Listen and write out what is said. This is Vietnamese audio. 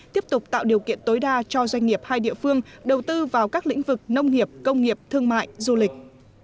tiếp tục tạo điều kiện tối đa cho doanh nghiệp hai địa phương đầu tư vào các lĩnh vực nông nghiệp công nghiệp thương mại du lịch